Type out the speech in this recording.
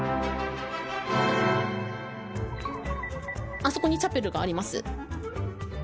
あそこにチャペルがあります。